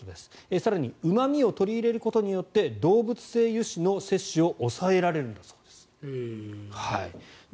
更に、うま味を取り入れることによって動物性油脂の摂取を抑えられるんですって。